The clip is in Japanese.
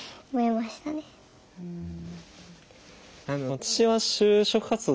私は就職活動